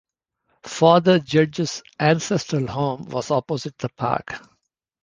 Father Judge's ancestral home was opposite the park.